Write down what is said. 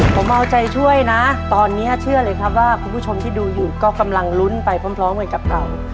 ผมเอาใจช่วยนะตอนนี้เชื่อเลยครับว่าคุณผู้ชมที่ดูอยู่ก็กำลังลุ้นไปพร้อมกันกับเรา